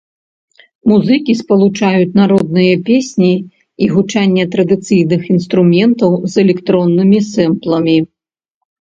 Музыкі спалучаюць народныя песні і гучанне традыцыйных інструментаў з электроннымі сэмпламі.